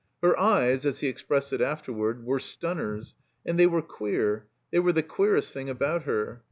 Her eyes, as he expressed it afterward, were "stun ners," and they were "queer"; they were the "queer est" thing about her.